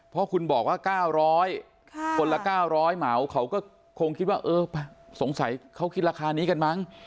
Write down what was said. เพราะคุณบอกว่า๙๐๐คนละ๙๐๐เหมาเขาก็คงคิดว่าเออสงสัยเขาคิดราคานี้กันมั้ง